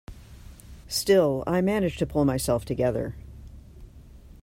Still I managed to pull myself together.